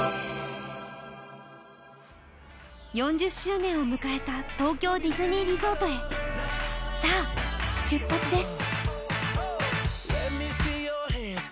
４０周年を迎えた東京ディズニーリゾート、さあ、出発です。